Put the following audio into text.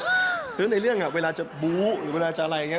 เพราะฉะนั้นในเรื่องเวลาจะบู้หรือเวลาจะอะไรอย่างนี้